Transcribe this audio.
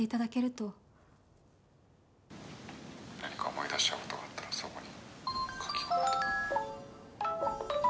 「何か思い出した事があったらそこに」